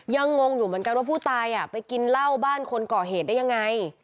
งงอยู่เหมือนกันว่าผู้ตายไปกินเหล้าบ้านคนก่อเหตุได้ยังไง